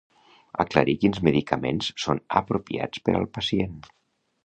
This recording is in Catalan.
Aclarir quins medicaments són apropiats per al pacient.